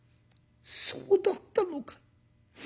そうだったのか。